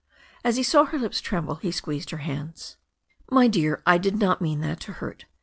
As he saw her lips tremble he squeezed her hands. "My dear. I did not mean that to hurt.